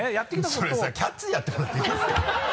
それさ「キャッチ！」でやってもらっていいですか？